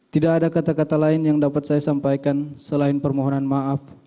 tidak ada kata kata lain yang dapat saya sampaikan selain permohonan maaf